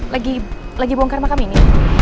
lagi lagi bongkar makam ini